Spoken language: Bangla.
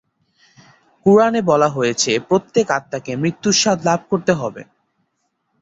কুরআনে বলা হয়েছে প্রত্যেক আত্মাকে মৃত্যুর স্বাদ লাভ করতে হবে।